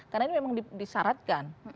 karena ini memang disyaratkan